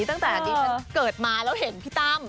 ตั้งแต่ดิฉันเกิดมาแล้วเห็นพี่ตั้ม